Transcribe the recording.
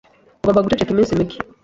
Ugomba guceceka iminsi mike.